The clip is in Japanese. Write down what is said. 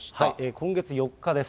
今月４日です。